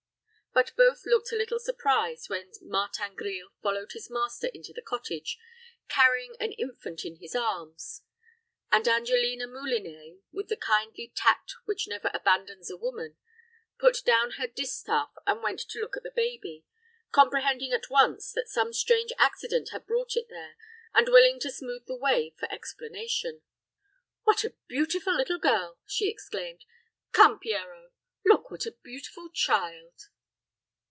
But both looked a little surprised when Martin Grille followed his master into the cottage, carrying an infant in his arms, and Angelina Moulinet, with the kindly tact which never abandons a woman, put down her distaff and went to look at the baby, comprehending at once that some strange accident had brought it there, and willing to smooth the way for explanation. "What a beautiful little girl!" she exclaimed "Come, Pierrot, look what a beautiful child!"